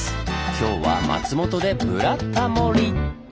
今日は松本で「ブラタモリ」！